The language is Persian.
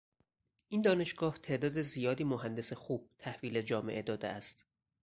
این دانشگاه تعداد زیادی مهندس خوب تحویل جامعه داده است.